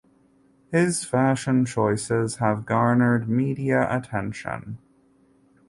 His fashion choices have garnered media attention.